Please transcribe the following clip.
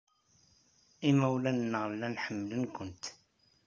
Imawlan-nneɣ llan ḥemmlen-kent.